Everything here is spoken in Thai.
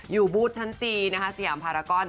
อยู่บูธชั้นจีนสยามพารากอน